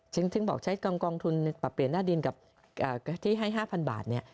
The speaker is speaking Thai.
ถึงบอกใช้กองทุนปรับเปลี่ยนหน้าดินกับที่ให้๕๐๐บาท